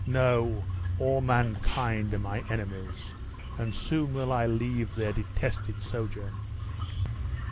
No, all mankind are my enemies, and soon will I leave their detested sojourn!"